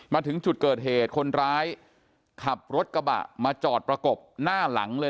มาถึงจุดเกิดเหตุคนร้ายขับรถกระบะมาจอดประกบหน้าหลังเลย